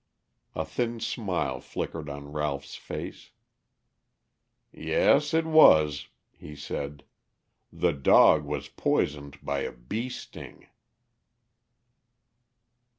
A thin smile flickered on Ralph's face. "Yes, it was," he said; "the dog was poisoned by a bee sting."